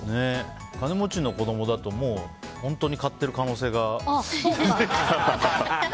金持ちの子供だと本当に買ってる可能性が。